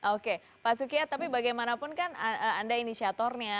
oke pak sukiat tapi bagaimanapun kan anda inisiatornya